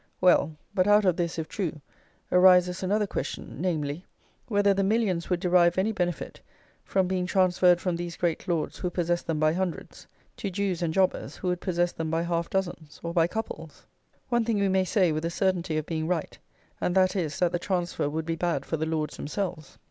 Well; but out of this, if true, arises another question: namely, Whether the millions would derive any benefit from being transferred from these great Lords who possess them by hundreds, to Jews and jobbers who would possess them by half dozens, or by couples? One thing we may say with a certainty of being right: and that is, that the transfer would be bad for the Lords themselves.